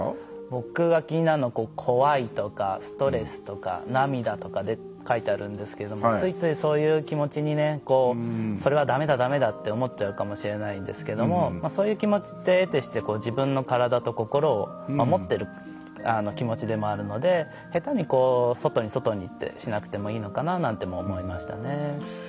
僕が気になるの怖いとかストレスとか涙とか書いてあるんですけどついつい、そういう気持ちにそれはだめだ、だめだって思っちゃうかもしれないんですけどそういう気持ちってえてして自分の体と心を守ってる気持ちでもあるので下手に外に、外にってしなくてもいいのかなと思いましたね。